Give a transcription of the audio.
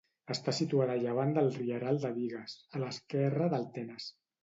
Està situada a llevant del Rieral de Bigues, a l'esquerra del Tenes.